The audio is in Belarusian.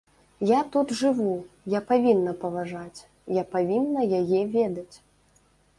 Я тут жыву, я павінна паважаць, я павінна яе ведаць.